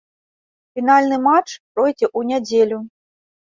Фінальны матч пройдзе ў нядзелю.